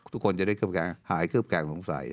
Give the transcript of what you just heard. ทุกคนจะได้หายเคลือบแข็งสงสัย